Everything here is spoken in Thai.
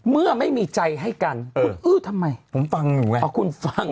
คุณมันตกใจมันจะไม่คุยได้ไงละ